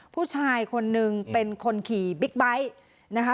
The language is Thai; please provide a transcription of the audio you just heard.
ผู้ชายคนนึงเป็นคนขี่บิ๊กไบท์นะคะ